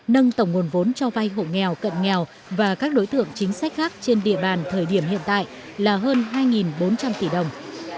nâng tổng nguồn vốn cho vay hộ nghèo cận nghèo và các đối tượng chính sách khác trên địa bàn thời điểm hiện tại là hơn hai bốn trăm linh tỷ đồng